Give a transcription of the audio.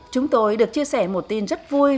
chúng tôi được chia sẻ một tin rất vui